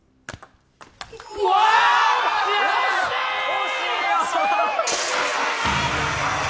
惜しい！